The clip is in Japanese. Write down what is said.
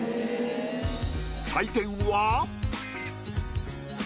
採点は。